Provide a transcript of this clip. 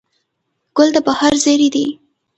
ګل د بهار زېری دی.